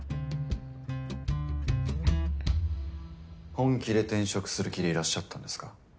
本気で転職する気でいらっしゃったんですか？